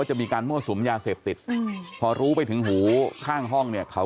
จะมีการมั่วสุมยาเสพติดพอรู้ไปถึงหูข้างห้องเนี่ยเขา